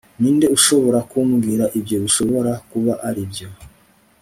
ninde ushobora kumbwira ibyo bishobora kuba aribyo